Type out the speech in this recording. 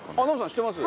知ってます。